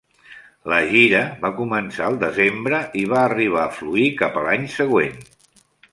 La gira va començar el desembre i va arribar a fluir cap a l'any següent.